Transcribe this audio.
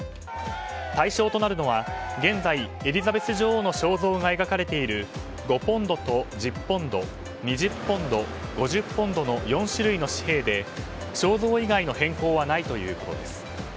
対象となるのは現在、エリザベス女王の肖像が描かれている５ポンドと１０ポンド２０ポンド、５０ポンドの４種類の紙幣で肖像以外の変更はないということです。